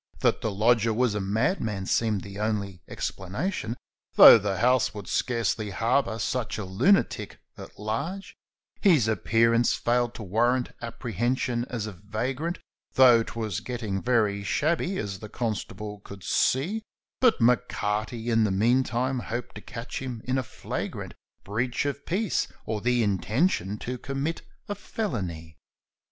That the lodger was a madman seemed the only explanation, Tho' the house would scarcely harbour such a lunatic at large. 202 CONSTABLE M'CARTY'S INVESTIGATIONS His appearance failed to warrant apprehension as a vagrant, Tho' 'twas getting very shabby, as the constable could see ; But M'Carty in the meantime hoped to catch him in a flagrant Breach of peace, or the intention to commit a felony.